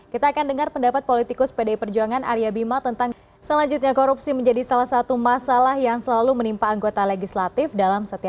kita akan dengar pendapat politikus pdi perjuangan arya bima tentang selanjutnya korupsi menjadi salah satu masalah yang selalu menimpa anggota legislatif dalam setiap